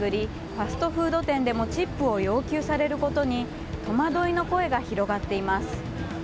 ファストフード店でもチップを要求されることに戸惑いの声が広がっています。